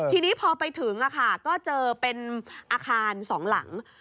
ทีนี้พอไปถึงก็เจอเป็นอาคาร๒หลัง